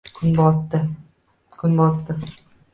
Kun botdi –